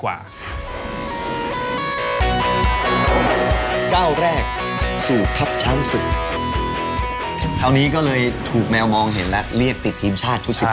คราวนี้ก็เลยถูกแมวมองเห็นแล้วเรียกติดทีมชาติชุด๑๙ปีเลย